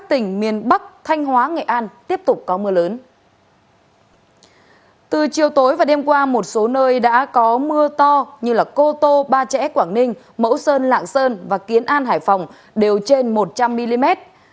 từ chiều tối và đêm qua một số nơi đã có mưa to như cô tô ba trẻ quảng ninh mẫu sơn lạng sơn và kiến an hải phòng đều trên một trăm linh mm